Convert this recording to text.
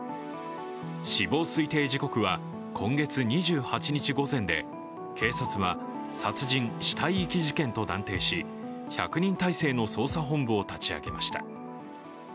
死亡推定時刻は今月２８日午前で警察は殺人・死体遺棄事件と断定し１００人態勢の捜査本部を立ち上げました。